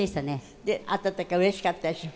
で会った時はうれしかったでしょ。